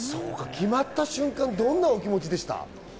決まった瞬間はどんな気持ちでしたか？